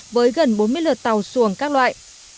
tàu hoạt động trên biển với gần bốn mươi lượt tàu xuồng các loại